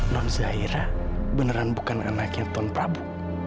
nonzaira beneran bukan anaknya tuhan prabu